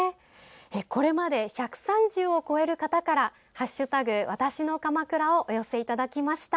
これまで１３０を超える方から「＃わたしの鎌倉」をお寄せいただきました。